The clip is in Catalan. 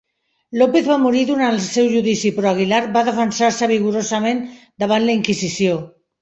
López va morir durant el seu judici però Aguilar va defensar-se vigorosament davant la Inquisició.